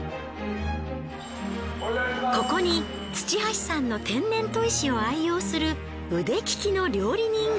ここに土橋さんの天然砥石を愛用する腕利きの料理人が。